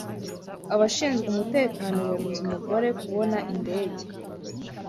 Abashinzwe umutekano babuza umugore kubona indege